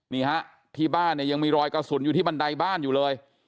นี่ฮะที่บ้านเนี่ยยังมีรอยกระสุนอยู่ที่บันไดบ้านอยู่เลย